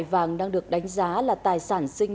vàng đang được đánh giá là tài sản sinh